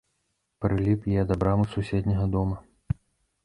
Прыліп я да брамы суседняга дома.